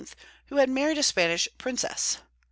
who had married a Spanish princess.